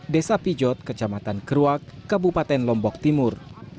desa pijot kejamatan keruak kabupaten lombok timur